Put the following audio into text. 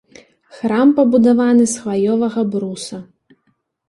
Храм пабудаваны з хваёвага бруса.